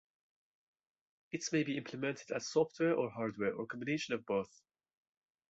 It may be implemented as software or hardware or combination of both.